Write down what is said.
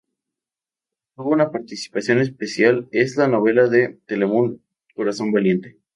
Obtuvo una participación especial es la novela de Telemundo, "Corazón valiente".